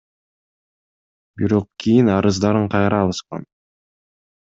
Бирок кийин арыздарын кайра алышкан.